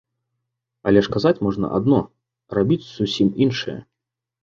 Але ж казаць можна адно, а рабіць зусім іншае.